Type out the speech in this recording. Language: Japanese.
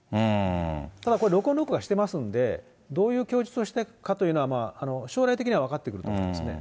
ただこれ、録音・録画してますんで、どういう供述をしたかというのは、将来的には分かってくると思うんですね。